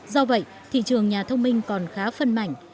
do vậy thị trường nhà thông minh còn khá phân mảnh